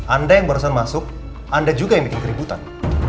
anda yang barusan masuk anda juga yang bikin keributan